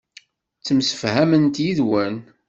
Ttemsefhament yid-wen.